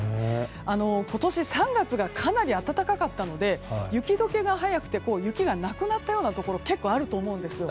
今年３月がかなり暖かかったので雪解けが早くて雪がなくなったようなところ結構あると思うんです。